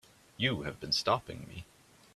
You have been stopping me.